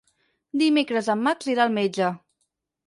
Dimecres en Max irà al metge.